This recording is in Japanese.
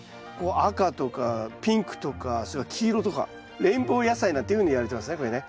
赤とかピンクとかそれから黄色とかレインボー野菜なんていうふうにいわれてますねこれね。